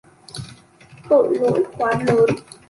tội lỗi quá lớn